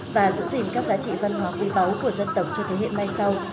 và giữ gìn các giá trị văn hóa quý báu của dân tổng cho thế hiện mai sau